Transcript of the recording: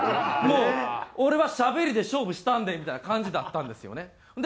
もう俺はしゃべりで勝負したるでみたいな感じだったんですよね。